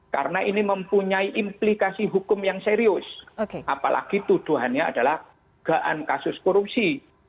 karena ini mempunyai implikasi hukum yang serius apalagi tuduhannya adalah dugaan kasus korupsi